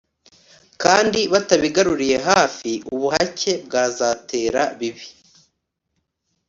kandi batabigaruriye hafi, ubuhake bwazatera bibi